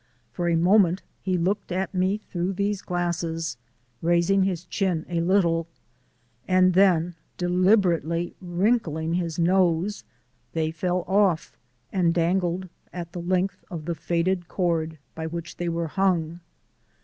For a moment he looked at me through these glasses, raising his chin a little, and then, deliberately wrinkling his nose, they fell off and dangled at the length of the faded cord by which they were hung.